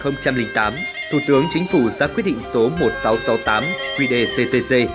năm hai nghìn tám thủ tướng chính phủ ra quyết định số một nghìn sáu trăm sáu mươi tám quy đề ttg